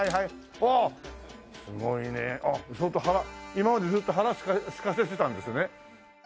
今までずっと腹すかせてたんですね。